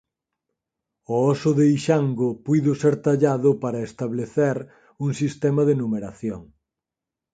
O óso de Ishango puido ser tallado para establecer un sistema de numeración.